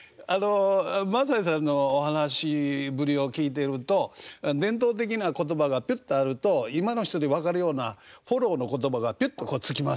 萬斎さんのお話しぶりを聞いてると伝統的な言葉がピュッとあると今の人に分かるようなフォローの言葉がピュッとこうつきますよね。